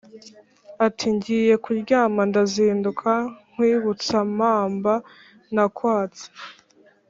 Ati: ngiye kuryamaNdazinduka nkwibutsampamba nakwatse